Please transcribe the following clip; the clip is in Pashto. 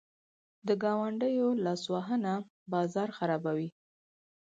د ګاونډیو لاسوهنه بازار خرابوي.